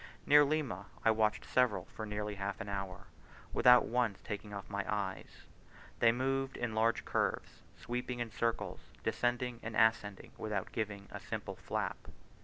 Near Lima, I watched several for nearly half an hour, without once taking off my eyes, they moved in large curves, sweeping in circles, descending and ascending without giving a single flap.